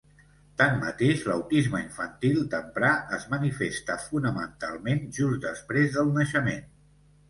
Tanmateix, l'autisme infantil temprà es manifesta fonamentalment just després del naixement.